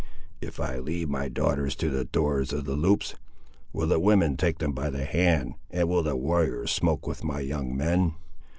"If I lead my daughters to the doors of the Loups, will the women take them by the hand; and will the warriors smoke with my young men?"